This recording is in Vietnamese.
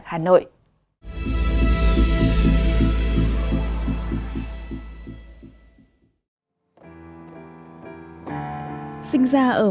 mẹ ơi mẹ ơi